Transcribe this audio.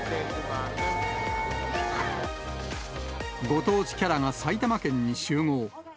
ご当地キャラが埼玉県に集合。